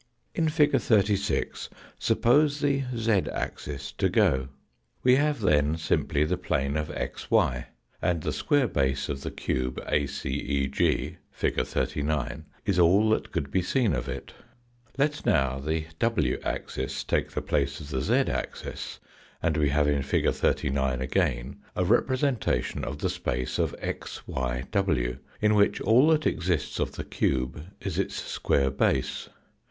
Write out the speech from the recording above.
In fig. 36 suppose the z axis to go. We have then THE HIGHER WORLD w simply the plane of xy and the square base of the cube ACEG, fig. 39, is all that could be seen of it. Let now the w axis take the place of the z axis and we have, in fig. 39 again, a repre sentation of the space of xyiv, in A C which all that exists of the cube is its square base.